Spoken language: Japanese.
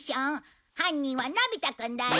犯人はのび太くんだよ。